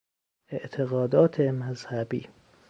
اعتقادات مذهبی